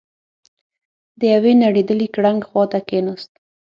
د يوې نړېدلې ګړنګ خواته کېناست.